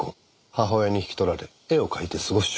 母親に引き取られ絵を描いて過ごす少女時代。